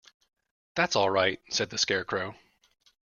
"That's all right," said the Scarecrow.